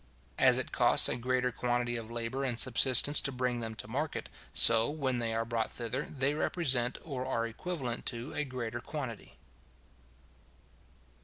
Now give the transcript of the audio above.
As it costs a greater quantity of labour and subsistence to bring them to market, so, when they are brought thither they represent, or are equivalent to a greater quantity.